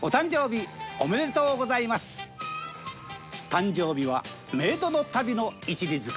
誕生日は冥土の旅の一里塚。